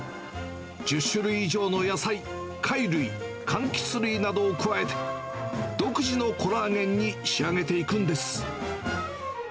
１０種類以上の野菜、貝類、かんきつ類などを加えて、独自のコラーゲンに仕上げていくんです。